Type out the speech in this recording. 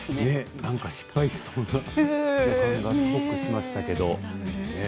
なんか失敗しそうな予感がすごくしましたけど。